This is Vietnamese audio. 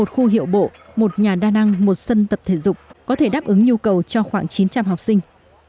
một khu hiệu bộ một nhà đa năng một sân tập thể dục có thể đáp ứng nhu cầu cho khoảng chín trăm linh học sinh